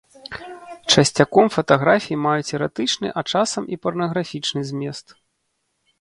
Часцяком фатаграфіі маюць эратычны, а часам і парнаграфічны змест.